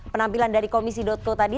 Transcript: penampilan dari komisi co tadi